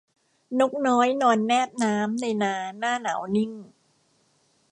นกน้อยนอนแนบน้ำในนาหน้าหนาวนิ่ง